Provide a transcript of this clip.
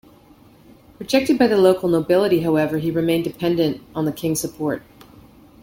Rejected by the local nobility, however, he remained dependent on the king's support.